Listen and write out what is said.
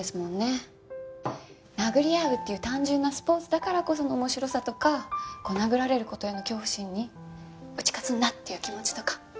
殴り合うっていう単純なスポーツだからこその面白さとか殴られる事への恐怖心に打ち勝つんだっていう気持ちとか。